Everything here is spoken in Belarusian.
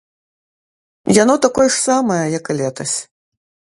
Яно такое ж самае, як і летась.